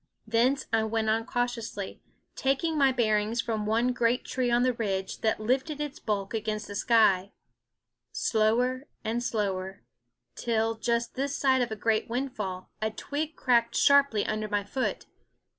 Thence I went on cautiously, taking my bearings from one great tree on the ridge that lifted its bulk against the sky; slower and slower, till, just this side a great windfall, a twig cracked sharply under my foot.